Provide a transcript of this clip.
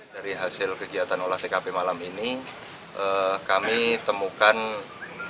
dari hasil kegiatan olah tkp malam ini kami temukan